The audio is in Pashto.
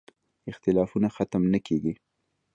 اختلافونه ختم نه کېږي.